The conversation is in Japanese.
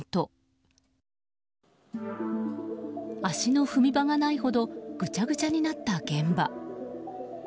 足の踏み場がないほどぐちゃぐちゃになった現場。